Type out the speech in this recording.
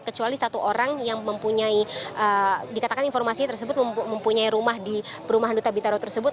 kecuali satu orang yang mempunyai dikatakan informasi tersebut mempunyai rumah di perumahan duta bintaro tersebut